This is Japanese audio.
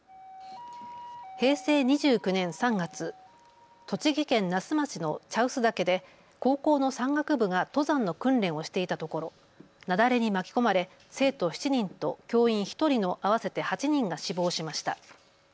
平成２９年３月、栃木県那須町の茶臼岳で高校の山岳部が登山の訓練をしていたところ、雪崩に巻き込まれ、生徒７人と教員１人の合わせて８人が死亡しました。